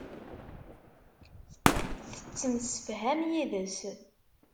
Tettemsefham yid-s.